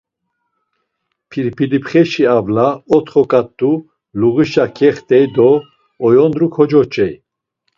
Pirpilipxeşi avla, otxo ǩat̆u luğişişa kext̆ey do oyondru kocoç̌ey.